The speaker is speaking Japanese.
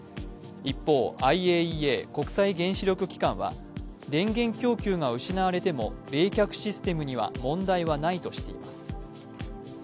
一方、ＩＡＥＡ＝国際原子力機関は電源供給が失われても冷却システムには問題はないとしています。